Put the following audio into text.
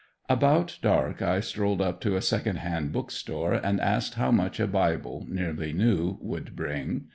About dark I strolled up to a second hand book store and asked how much a bible, nearly new, would bring?